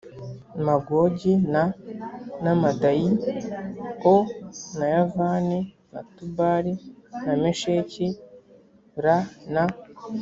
magogi n na madayi o na yavani p na tubali na mesheki r na